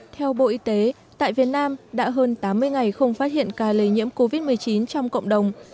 theo bộ y tế tại việt nam đã hơn tám mươi ngày không phát hiện ca lây nhiễm covid một mươi chín trong cộng đồng